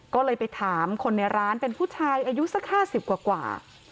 ก็เลยไปถามคนในร้านเป็นผู้ชายอายุสัก๕๐กว่า